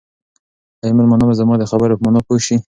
آیا مېلمانه به زما د خبرو په مانا پوه شي؟